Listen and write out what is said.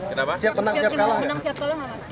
kenapa siap menang siap kalah nggak mas